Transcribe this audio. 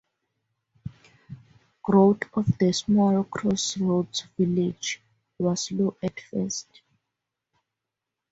Growth of the small crossroads village was slow at first.